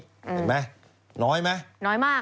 เห็นไหมน้อยไหม